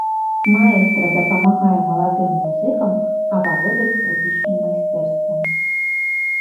Маэстра дапамагае маладым музыкам авалодаць скрыпічным майстэрствам.